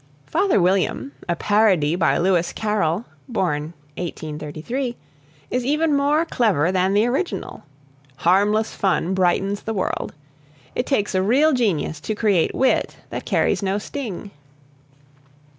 "Father William" a parody by Lewis Carroll (1833 ), is even more clever than the original. Harmless fun brightens the world. It takes a real genius to create wit that carries no sting.